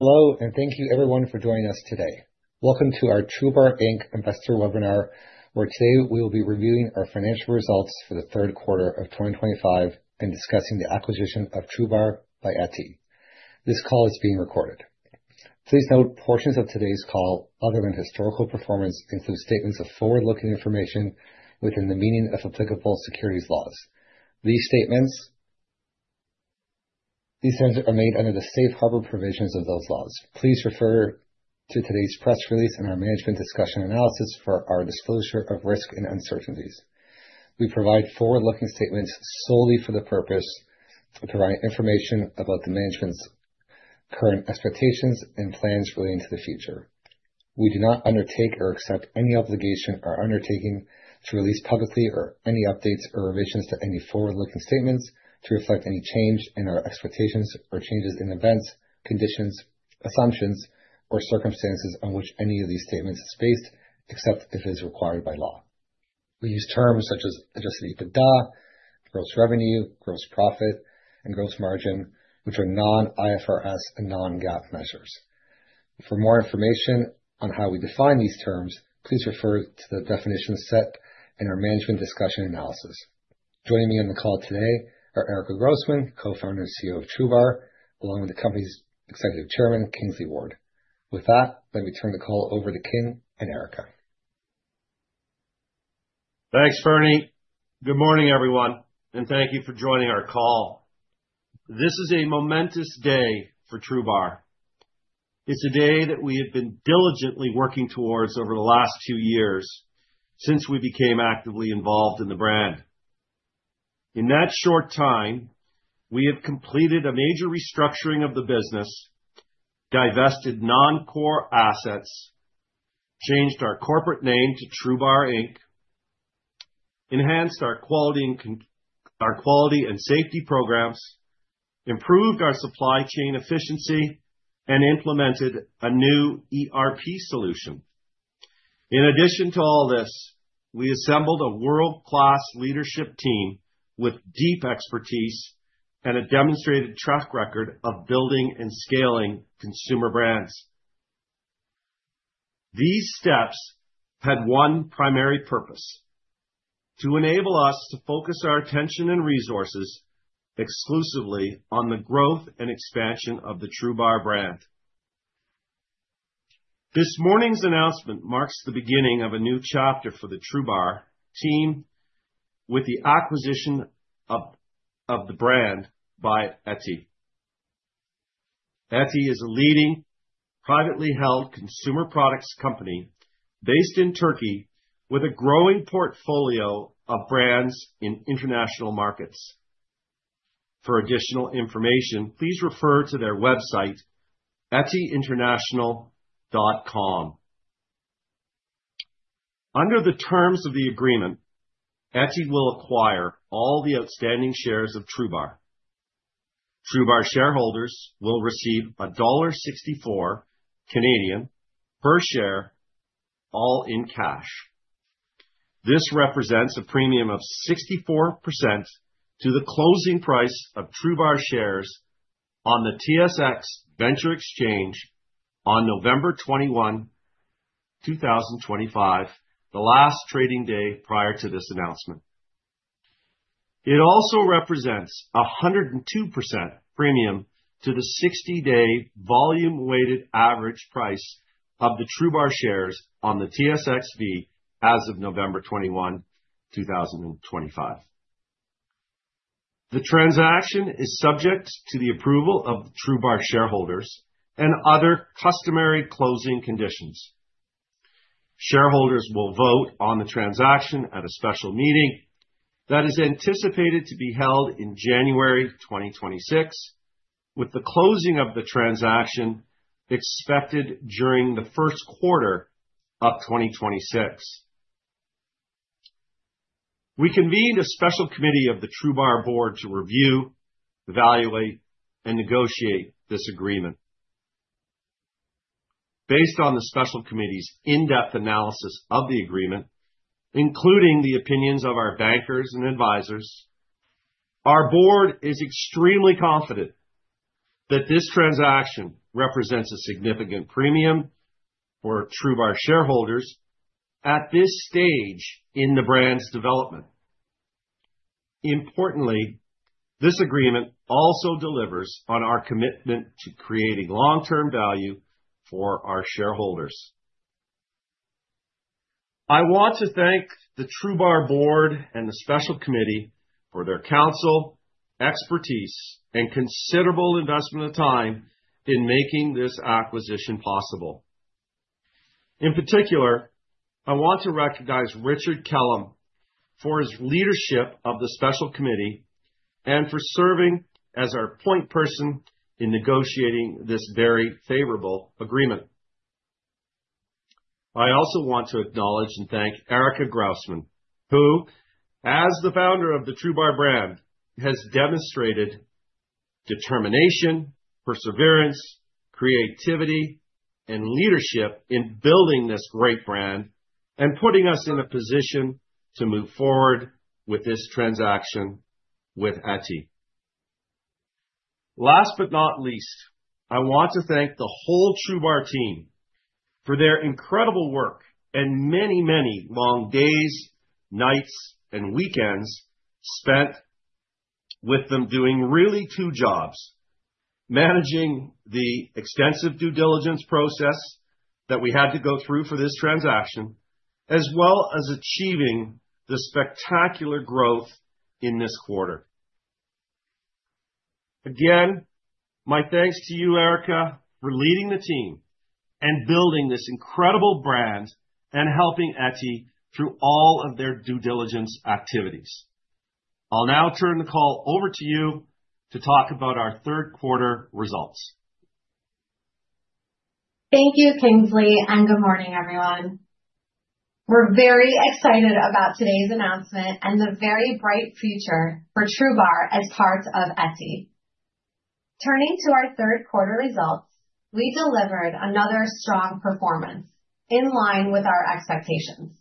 Hello, and thank you, everyone, for joining us today. Welcome to our TRUBAR Kingsley Ward Investor webinar, where today we will be reviewing our financial results for the third quarter of 2025 and discussing the acquisition of TRUBAR Kingsley by ETI. This call is being recorded. Please note portions of today's call, other than historical performance, include statements of forward-looking information within the meaning of applicable securities laws. These statements are made under the safe harbor provisions of those laws. Please refer to today's press release and our management discussion analysis for our disclosure of risk and uncertainties. We provide forward-looking statements solely for the purpose of providing information about the management's current expectations and plans relating to the future. We do not undertake or accept any obligation or undertaking to release publicly or any updates or revisions to any forward-looking statements to reflect any change in our expectations or changes in events, conditions, assumptions, or circumstances on which any of these statements is based, except if it is required by law. We use terms such as adjusted EBITDA, gross revenue, gross profit, and gross margin, which are non-IFRS and non-GAAP measures. For more information on how we define these terms, please refer to the definitions set in our management discussion analysis. Joining me on the call today are Erica Groussman, Co-founder and CEO of TRUBAR, along with the company's Executive Chairman, Kingsley Ward. With that, let me turn the call over to King and Erica. Thanks, Fern. Good morning, everyone, and thank you for joining our call. This is a momentous day for TRUBAR. It's a day that we have been diligently working towards over the last two years since we became actively involved in the brand. In that short time, we have completed a major restructuring of the business, divested non-core assets, changed our corporate name to TRUBAR, enhanced our quality and safety programs, improved our supply chain efficiency, and implemented a new ERP solution. In addition to all this, we assembled a world-class leadership team with deep expertise and a demonstrated track record of building and scaling consumer brands. These steps had one primary purpose: to enable us to focus our attention and resources exclusively on the growth and expansion of the TRUBAR brand. This morning's announcement marks the beginning of a new chapter for the TRUBAR team with the acquisition of the brand by ETI. ETI is a leading, privately held consumer products company based in Turkey with a growing portfolio of brands in international markets. For additional information, please refer to their website, etiinternational.com. Under the terms of the agreement, ETI will acquire all the outstanding shares of TRUBAR. TRUBAR shareholders will receive dollar 1.64 per share, all in cash. This represents a premium of 64% to the closing price of TRUBAR shares on the TSX Venture Exchange on November 21, 2025, the last trading day prior to this announcement. It also represents a 102% premium to the 60-day volume-weighted average price of the TRUBAR shares on the TSXV as of November 21, 2025. The transaction is subject to the approval of TRUBAR shareholders and other customary closing conditions. Shareholders will vote on the transaction at a special meeting that is anticipated to be held in January 2026, with the closing of the transaction expected during the first quarter of 2026. We convened a special committee of the TRUBAR board to review, evaluate, and negotiate this agreement. Based on the special committee's in-depth analysis of the agreement, including the opinions of our bankers and advisors, our board is extremely confident that this transaction represents a significant premium for TRUBAR shareholders at this stage in the brand's development. Importantly, this agreement also delivers on our commitment to creating long-term value for our shareholders. I want to thank the TRUBAR board and the special committee for their counsel, expertise, and considerable investment of time in making this acquisition possible. In particular, I want to recognize Richard Kellum for his leadership of the special committee and for serving as our point person in negotiating this very favorable agreement. I also want to acknowledge and thank Erica Groussman, who, as the founder of the TRUBAR brand, has demonstrated determination, perseverance, creativity, and leadership in building this great brand and putting us in a position to move forward with this transaction with ETI. Last but not least, I want to thank the whole TRUBAR team for their incredible work and many, many long days, nights, and weekends spent with them doing really two jobs: managing the extensive due diligence process that we had to go through for this transaction, as well as achieving the spectacular growth in this quarter. Again, my thanks to you, Erica, for leading the team and building this incredible brand and helping ETI through all of their due diligence activities. I'll now turn the call over to you to talk about our third-quarter results. Thank you, Kingsley, and good morning, everyone. We're very excited about today's announcement and the very bright future for TRUBAR as part of ETI. Turning to our third-quarter results, we delivered another strong performance in line with our expectations.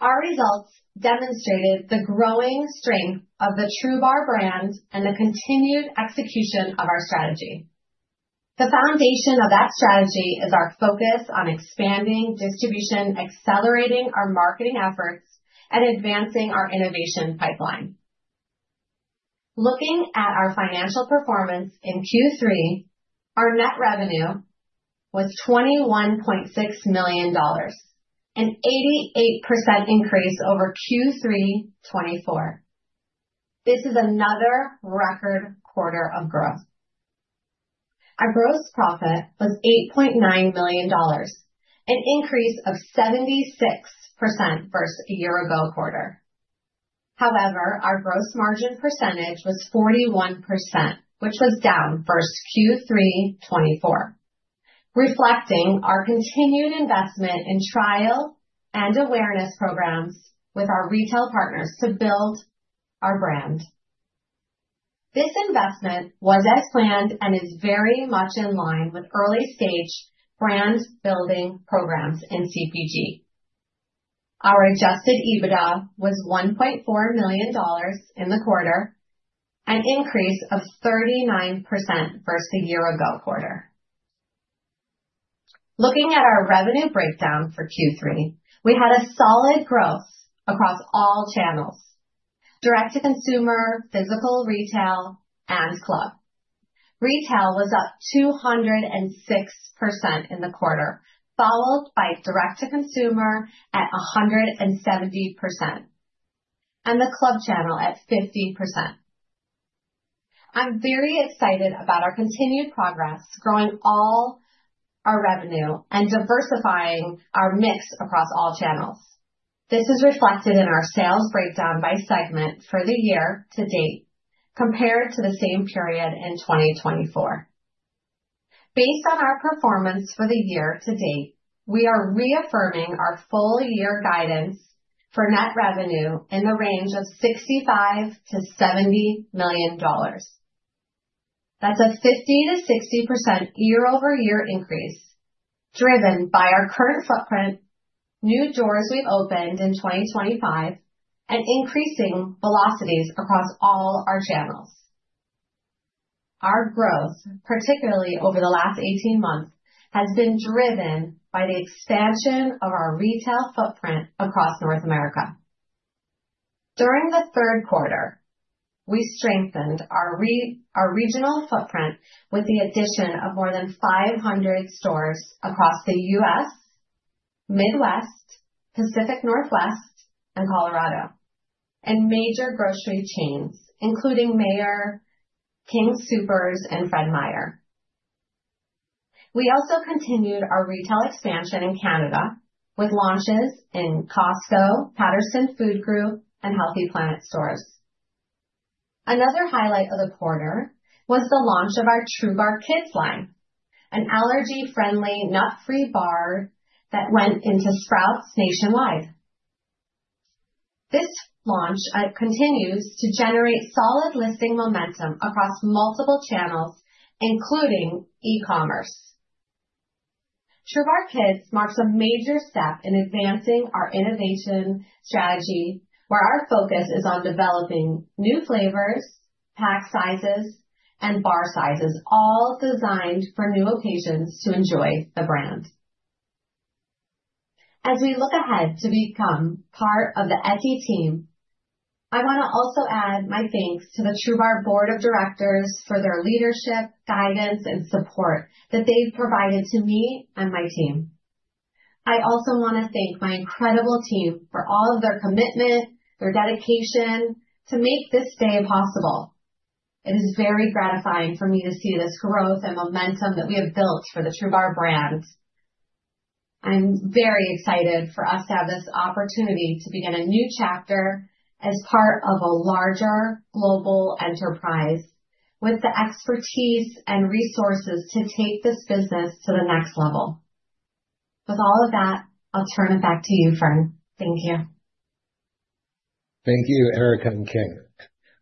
Our results demonstrated the growing strength of the TRUBAR brand and the continued execution of our strategy. The foundation of that strategy is our focus on expanding distribution, accelerating our marketing efforts, and advancing our innovation pipeline. Looking at our financial performance in Q3, our net revenue was 21.6 million dollars, an 88% increase over Q3 2024. This is another record quarter of growth. Our gross profit was CAD 8.9 million, an increase of 76% versus a year-ago quarter. However, our gross margin percentage was 41%, which was down versus Q3 2024, reflecting our continued investment in trial and awareness programs with our retail partners to build our brand. This investment was as planned and is very much in line with early-stage brand-building programs in CPG. Our adjusted EBITDA was 1.4 million dollars in the quarter, an increase of 39% versus a year-ago quarter. Looking at our revenue breakdown for Q3, we had a solid growth across all channels: direct-to-consumer, physical retail, and club. Retail was up 206% in the quarter, followed by direct-to-consumer at 170% and the club channel at 50%. I'm very excited about our continued progress, growing all our revenue and diversifying our mix across all channels. This is reflected in our sales breakdown by segment for the year to date, compared to the same period in 2024. Based on our performance for the year to date, we are reaffirming our full-year guidance for net revenue in the range of 65 million-70 million dollars. That's a 50-60% year-over-year increase, driven by our current footprint, new doors we've opened in 2025, and increasing velocities across all our channels. Our growth, particularly over the last 18 months, has been driven by the expansion of our retail footprint across North America. During the third quarter, we strengthened our regional footprint with the addition of more than 500 stores across the U.S., Midwest, Pacific Northwest, and Colorado, and major grocery chains, including Meijer, King Soopers, and Fred Meyer. We also continued our retail expansion in Canada with launches in Costco, Patterson Food Group, and Healthy Planet stores. Another highlight of the quarter was the launch of our TRUBAR Kids line, an allergy-friendly nut-free bar that went into Sprouts nationwide. This launch continues to generate solid listing momentum across multiple channels, including e-commerce. TRUBAR Kids marks a major step in advancing our innovation strategy, where our focus is on developing new flavors, pack sizes, and bar sizes, all designed for new occasions to enjoy the brand. As we look ahead to become part of the ETI team, I want to also add my thanks to the TRUBAR board of directors for their leadership, guidance, and support that they've provided to me and my team. I also want to thank my incredible team for all of their commitment, their dedication to make this day possible. It is very gratifying for me to see this growth and momentum that we have built for the TRUBAR brand. I'm very excited for us to have this opportunity to begin a new chapter as part of a larger global enterprise with the expertise and resources to take this business to the next level. With all of that, I'll turn it back to you, Fern. Thank you. Thank you, Erica and King.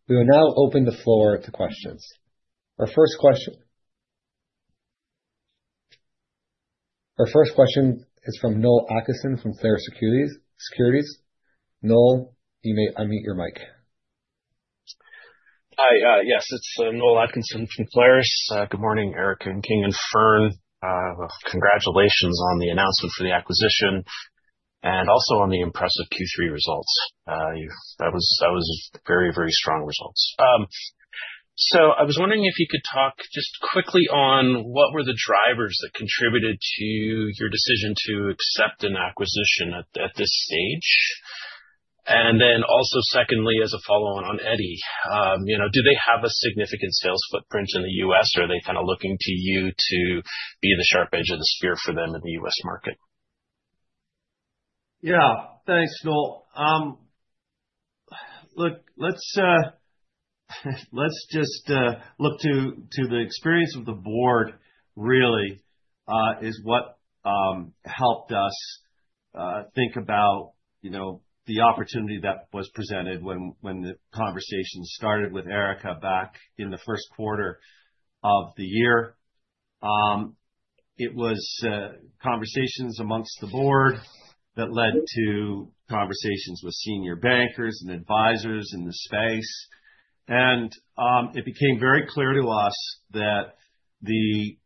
We will now open the floor to questions. Our first question is from Noel Atkinson from Claris Securities. Noel, you may unmute your mic. Hi. Yes, it's Noel Atkinson from Claris. Good morning, Erica and King, and Fern. Congratulations on the announcement for the acquisition and also on the impressive Q3 results. That was very, very strong results. I was wondering if you could talk just quickly on what were the drivers that contributed to your decision to accept an acquisition at this stage? Also, as a follow-on on ETI, do they have a significant sales footprint in the U.S., or are they kind of looking to you to be the sharp edge of the spear for them in the U.S. market? Yeah. Thanks, Noel. Let's just look to the experience of the board, really, is what helped us think about the opportunity that was presented when the conversation started with Erica back in the first quarter of the year. It was conversations amongst the board that led to conversations with senior bankers and advisors in the space. It became very clear to us that the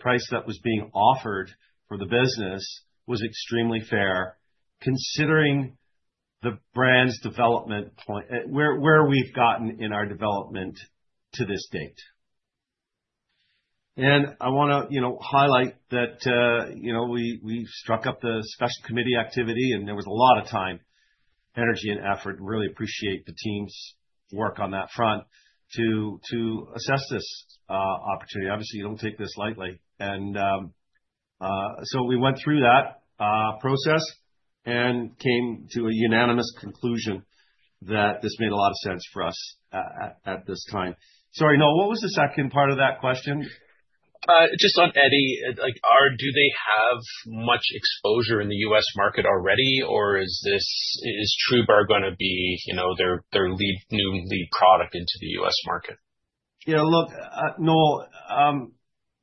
price that was being offered for the business was extremely fair, considering the brand's development point, where we've gotten in our development to this date. I want to highlight that we struck up the special committee activity, and there was a lot of time, energy, and effort. Really appreciate the team's work on that front to assess this opportunity. Obviously, you don't take this lightly. We went through that process and came to a unanimous conclusion that this made a lot of sense for us at this time. Sorry, Noel, what was the second part of that question? Just on ETI, do they have much exposure in the U.S. market already, or is TRUBAR going to be their new lead product into the U.S. market? Yeah. Look, Noel,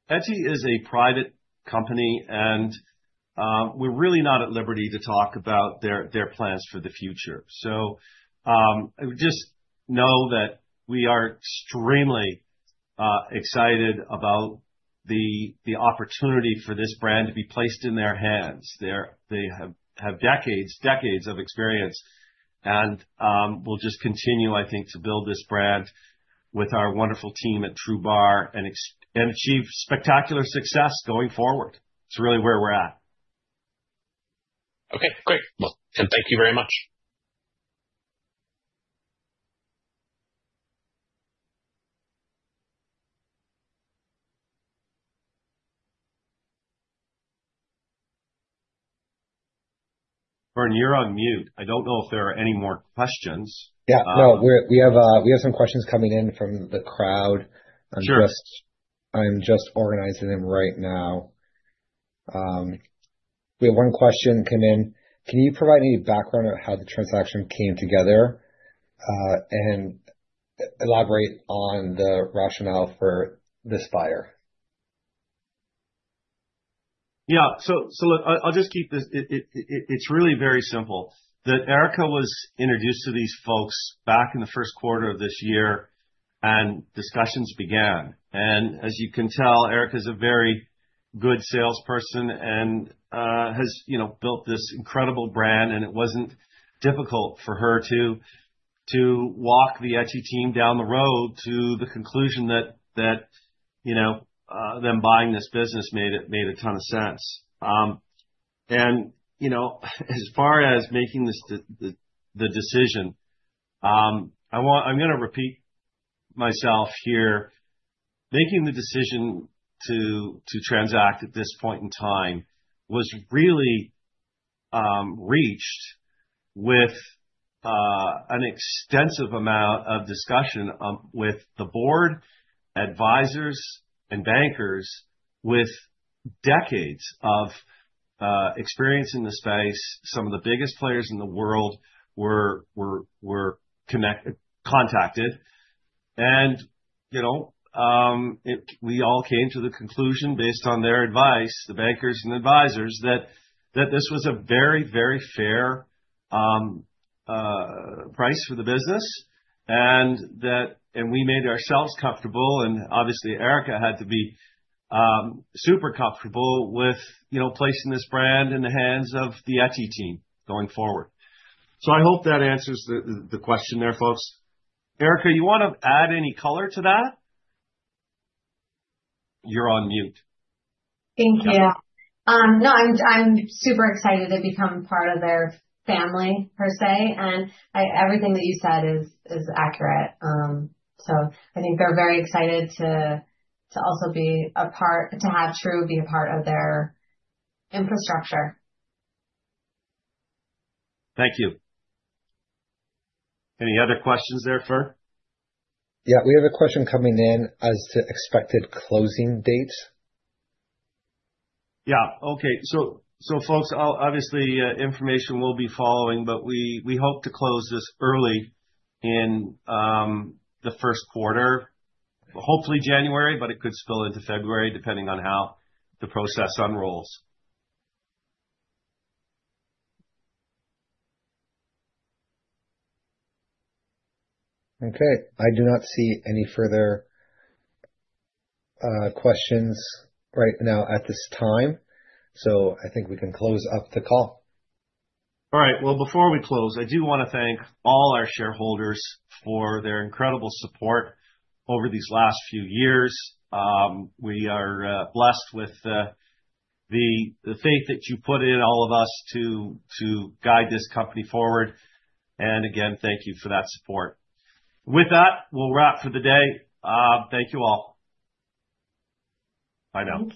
ETI is a private company, and we're really not at liberty to talk about their plans for the future. Just know that we are extremely excited about the opportunity for this brand to be placed in their hands. They have decades of experience, and we'll just continue, I think, to build this brand with our wonderful team at TRUBAR and achieve spectacular success going forward. It's really where we're at. Okay. Great. Thank you very much. Fern, you're on mute. I don't know if there are any more questions. Yeah. No, we have some questions coming in from the crowd. I'm just organizing them right now. We have one question come in. Can you provide any background on how the transaction came together and elaborate on the rationale for this buyer? Yeah. Look, I'll just keep this—it's really very simple—that Erica was introduced to these folks back in the first quarter of this year, and discussions began. As you can tell, Erica is a very good salesperson and has built this incredible brand. It wasn't difficult for her to walk the ETI team down the road to the conclusion that them buying this business made a ton of sense. As far as making the decision, I'm going to repeat myself here. Making the decision to transact at this point in time was really reached with an extensive amount of discussion with the board, advisors, and bankers with decades of experience in the space. Some of the biggest players in the world were contacted. We all came to the conclusion based on their advice, the bankers and advisors, that this was a very, very fair price for the business, and we made ourselves comfortable. Obviously, Erica had to be super comfortable with placing this brand in the hands of the ETI team going forward. I hope that answers the question there, folks. Erica, you want to add any color to that? You're on mute. Thank you. No, I'm super excited to become part of their family, per se. Everything that you said is accurate. I think they're very excited to also be a part—to have TRUBAR be a part of their infrastructure. Thank you. Any other questions there, Fern? Yeah. We have a question coming in as to expected closing dates. Yeah. Okay. Folks, obviously, information will be following, but we hope to close this early in the first quarter, hopefully January, but it could spill into February depending on how the process unrolls. Okay. I do not see any further questions right now at this time. I think we can close up the call. All right. Before we close, I do want to thank all our shareholders for their incredible support over these last few years. We are blessed with the faith that you put in all of us to guide this company forward. Again, thank you for that support. With that, we'll wrap for the day. Thank you all. Bye now.